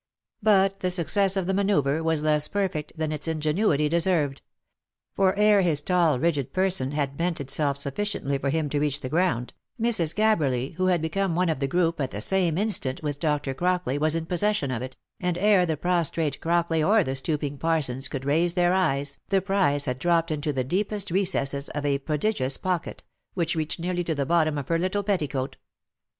But the success of the manoeuvre was less perfect than its ingenuity deserved ; for ere his tall rigid person had bent itself sufficiently for him to reach the ground, Mrs. Gabberly, who had become one of the group at the same instant with Dr. Crock ley, was in possession of it, and ere the prostrate Crockley or the stooping Parsons could raise their eyes, the prize had dropped into the deepest recesses of a prodigious pocket, which reached nearly to the bottom of her little petticoat.